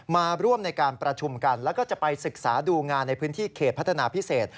มาร่วมในการประชุมกันแล้วก็จะไปศึกษาดูงานในพื้นที่เขตพัฒนาพิเศษ